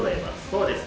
そうです。